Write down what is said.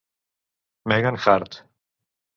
Megan Hart